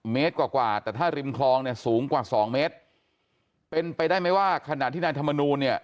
กว่ากว่าแต่ถ้าริมคลองเนี่ยสูงกว่าสองเมตรเป็นไปได้ไหมว่าขณะที่นายธรรมนูลเนี่ย